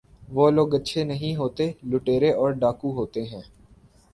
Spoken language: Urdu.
یہ لوگ اچھے نہیں ہوتے ، لٹیرے اور ڈاکو ہوتے ہیں ۔